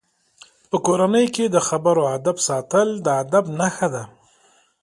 په کورنۍ کې د خبرو آدب ساتل د ادب نښه ده.